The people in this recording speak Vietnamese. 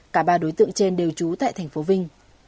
cả ba đối tượng trên đều trú tại thành phố vinh